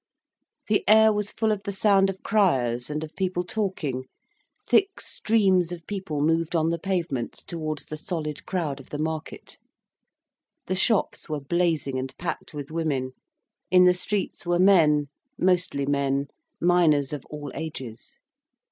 The air was full of the sound of criers and of people talking, thick streams of people moved on the pavements towards the solid crowd of the market. The shops were blazing and packed with women, in the streets were men, mostly men, miners of all ages.